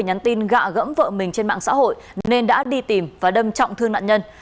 nhắn tin gạ gẫm vợ mình trên mạng xã hội nên đã đi tìm và đâm trọng thương nạn nhân